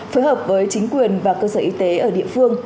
phối hợp với chính quyền và cơ sở y tế ở địa phương